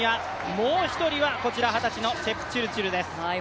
もう１人はこちら、二十歳のチェプチルチルですね。